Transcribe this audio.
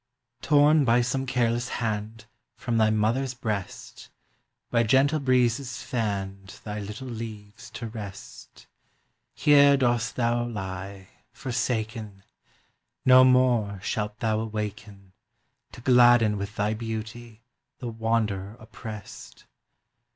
Torn by some careless hand From thy mother’s breast, Where gentle breezes fann’d Thy little leaves to rest, Here dost thou lie, forsaken, No more shalt thou awaken, To gladden with thy beauty the wanderer opprest!